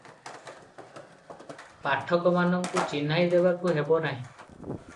ପାଠକମାନଙ୍କୁ ଚିହ୍ନାଇଦେବାକୁ ହେବ ନାହିଁ ।